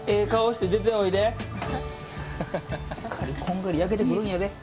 こんがり焼けてくるんやで。